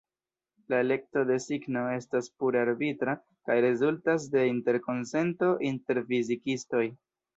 La elekto de signo estas pure arbitra kaj rezultas de interkonsento inter fizikistoj.